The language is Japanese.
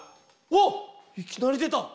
わっいきなり出た！